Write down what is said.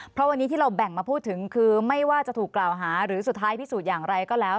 เพราะวันนี้ที่เราแบ่งมาพูดถึงคือไม่ว่าจะถูกกล่าวหาหรือสุดท้ายพิสูจน์อย่างไรก็แล้ว